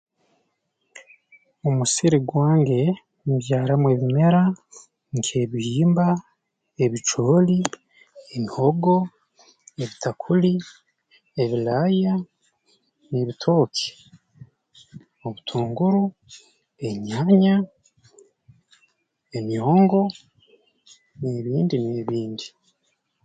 Omusiri gwange mbyaramu ebimera nk'ebihimba ebicooli emihogo ebitakuli ebilaaya n'ebitooke obutunguru enyaanya emyongo n'ebindi n'ebindi